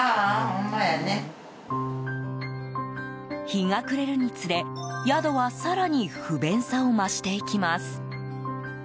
日が暮れるにつれ、宿は更に不便さを増していきます。